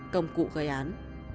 công cụ gây án